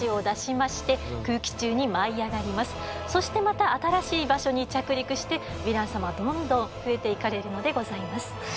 そしてまた新しい場所に着陸してヴィラン様はどんどん増えていかれるのでございます。